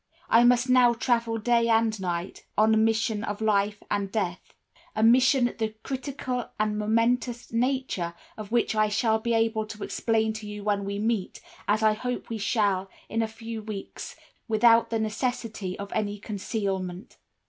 I must now travel day and night, on a mission of life and death—a mission the critical and momentous nature of which I shall be able to explain to you when we meet, as I hope we shall, in a few weeks, without the necessity of any concealment.